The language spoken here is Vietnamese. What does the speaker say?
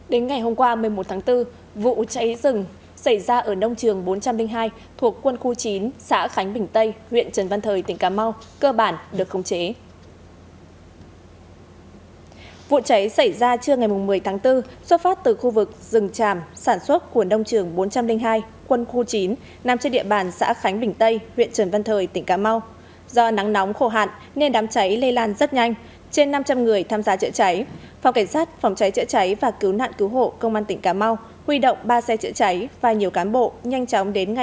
đến ngày hôm qua một mươi một tháng bốn vụ cháy rừng xảy ra ở nông trường bốn trăm linh hai thuộc quân khu chín xã khánh bình tây huyện trần văn thời tỉnh cà mau cơ bản được khống chế